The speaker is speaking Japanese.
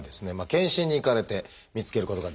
健診に行かれて見つけることができたと。